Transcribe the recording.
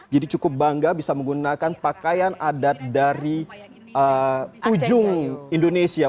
jadi cukup bangga bisa menggunakan pakaian adat dari ujung indonesia